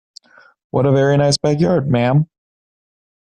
What a very nice backyard, ma'am!